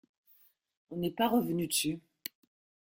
On n’est pas revenu dessus.